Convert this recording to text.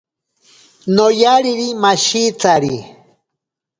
Noyariri mashitsari.